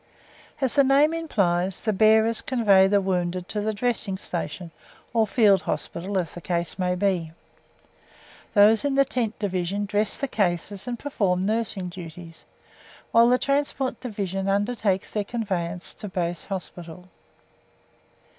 As the name implies, the Bearers convey the wounded to the dressing station (or Field Hospital, as the case may be). Those in the Tent Division dress the cases and perform nursing duties, while the Transport Division undertakes their conveyance to Base Hospital.